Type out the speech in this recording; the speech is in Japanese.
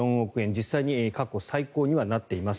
実際に過去最高にはなっています。